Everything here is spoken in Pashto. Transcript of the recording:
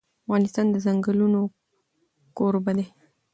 افغانستان د ځنګلونه کوربه دی.